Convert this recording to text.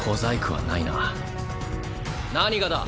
何がだ？